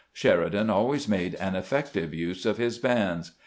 Sheridan always made an effective use of his bands.